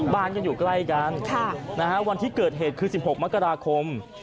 บ้านก็อยู่ใกล้กันวันที่เกิดเหตุคือ๑๖มกราคม